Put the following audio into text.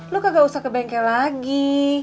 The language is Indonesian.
lo kagak usah ke bengkel lagi